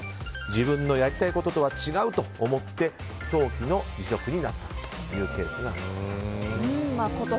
自分のやりたいこととは違うと思って早期の離職になったというケースがあったと。